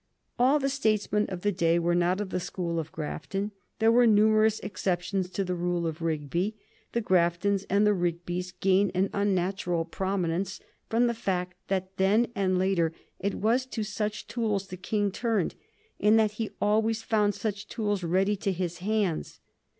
All the statesmen of the day were not of the school of Grafton. There were numerous exceptions to the rule of Rigby. The Graftons and the Rigbys gain an unnatural prominence from the fact that then and later it was to such tools the King turned, and that he always found such tools ready to his hands.